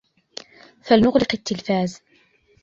فلنغلق التلفاز.